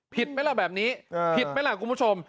ไหมล่ะแบบนี้ผิดไหมล่ะคุณผู้ชม